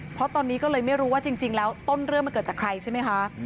เพราะตอนนี้ก็เลยไม่รู้ว่าจริงแล้วต้นเรื่องมันเกิดจากใครใช่ไหมคะ